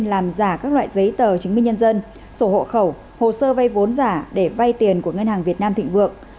làm giả các loại giấy tờ chứng minh nhân dân sổ hộ khẩu hồ sơ vay vốn giả để vay tiền của ngân hàng việt nam thịnh vượng